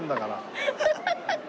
ハハハハ。